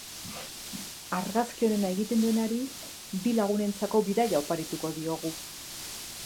Argazki onena egiten duenari bi lagunentzako bidaia oparituko diogu.